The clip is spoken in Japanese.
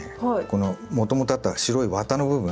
このもともとあった白いわたの部分？